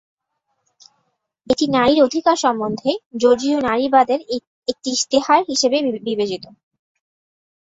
এটি নারীর অধিকার সম্বন্ধে, জর্জীয় নারীবাদের একটি ইশতেহার হিসেবে বিবেচিত।